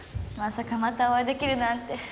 まさかまたお会いできるなんて。